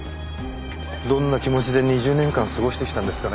どんな気持ちで２０年間過ごしてきたんですかね。